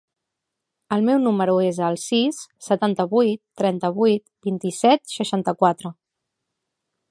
El meu número es el sis, setanta-vuit, trenta-vuit, vint-i-set, seixanta-quatre.